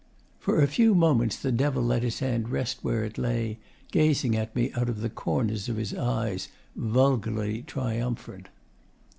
For a few moments the Devil let his hand rest where it lay, gazing at me out of the corners of his eyes, vulgarly triumphant.